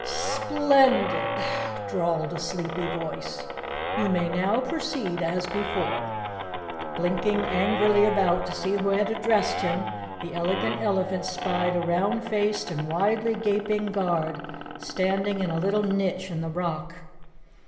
"Splen did!" drawled a sleepy voice. "You may now proceed as before." Blinking angrily about to see who had addressed him, the Elegant Elephant spied a round faced and widely gaping guard standing in a little niche in the rock.